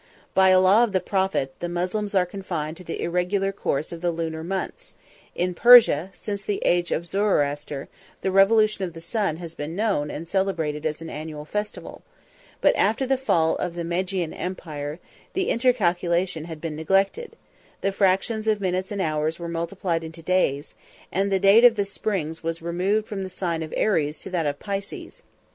By a law of the prophet, the Moslems are confined to the irregular course of the lunar months; in Persia, since the age of Zoroaster, the revolution of the sun has been known and celebrated as an annual festival; 44 but after the fall of the Magian empire, the intercalation had been neglected; the fractions of minutes and hours were multiplied into days; and the date of the springs was removed from the sign of Aries to that of Pisces.